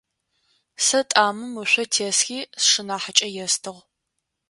Сэ тӏамым ышъо тесхи, сшынахьыкӀэ естыгъ.